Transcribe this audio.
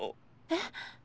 えっ？